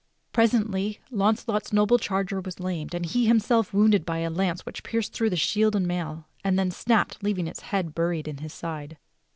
Presently Launcelot's noble charger was lamed, and he himself wounded by a lance which pierced through shield and mail, and then snapped leaving its head buried in his side.